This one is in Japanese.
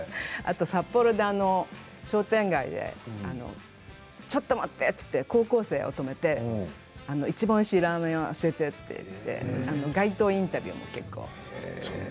あと札幌で商店街でちょっと待ってっつって高校生を止めて一番おいしいラーメン屋教えてって言って街頭インタビューも結構。